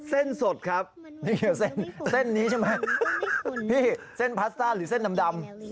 เส้นสดครับนี่เส้นนี้ใช่ไหมพี่เส้นพาสต้าหรือเส้นดำ